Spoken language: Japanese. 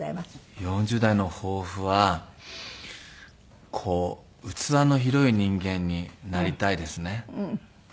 ４０代の抱負はこう器の広い人間になりたいですね。